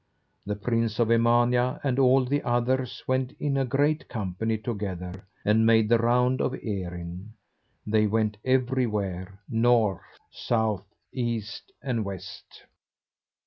The prince of Emania and all the others went in a great company together, and made the round of Erin; they went everywhere, north, south, east, and west.